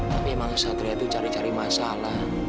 tapi emang satria itu cari cari masalah